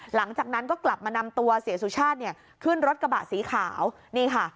หลังจากนั้นก็กลับมานำตัวเสียสุชาติเนี่ยขึ้นรถกระบะสีขาวนี่ค่ะ